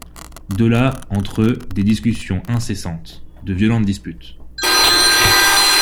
De là, entre eux, des discussions incessantes, de violentes disputes.